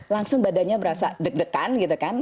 langsung badannya berasa deg degan gitu kan